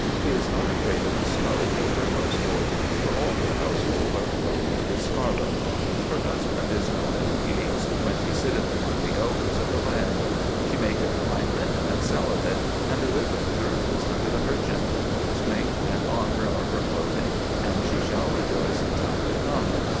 She is not afraid of the snow for her household: for all her household are clothed with scarlet. Her husband is known in the gates, when he sitteth among the elders of the land. She maketh fine linen, and selleth it; and delivereth girdles unto the merchant. Strength and honour are her clothing: and she shall rejoice in time to come.